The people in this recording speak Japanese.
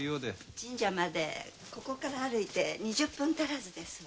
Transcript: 神社までここから歩いて２０分足らずですわ。